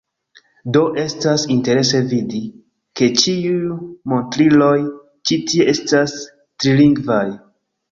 Do, estas interese vidi, ke ĉiuj montriloj ĉi tie estas trilingvaj